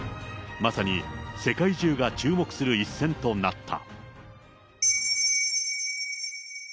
まさに世界中が注目する一戦となった。